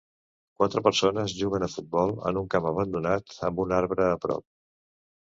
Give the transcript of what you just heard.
Quatre persones juguen a futbol en un camp abandonat amb un arbre a prop.